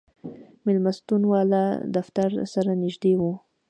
مېلمستون والي دفتر سره نږدې و.